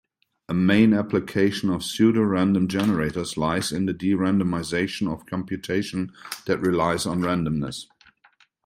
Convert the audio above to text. A main application of pseudorandom generators lies in the de-randomization of computation that relies on randomness.